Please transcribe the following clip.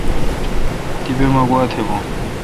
تیپہ مہ گوا تھ بھون۔